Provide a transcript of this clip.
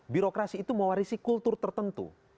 birokrasi itu mewarisi kultur tertentu